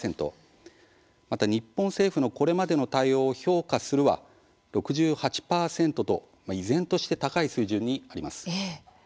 また、日本政府のこれまでの対応を「評価する」は６８％と依然として高い水準にあります。